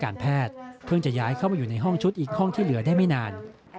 การแพทย์เพิ่งจะย้ายเข้ามาอยู่ในห้องชุดอีกห้องที่เหลือได้ไม่นาน